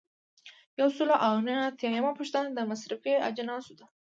یو سل او نهه اتیایمه پوښتنه د مصرفي اجناسو ده.